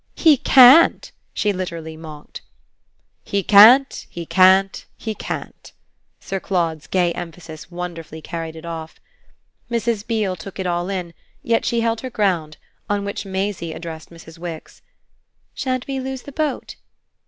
"He can't!" she literally mocked. "He can't, he can't, he can't!" Sir Claude's gay emphasis wonderfully carried it off. Mrs. Beale took it all in, yet she held her ground; on which Maisie addressed Mrs. Wix. "Shan't we lose the boat?"